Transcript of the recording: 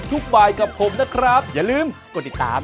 สวัสดีค่ะ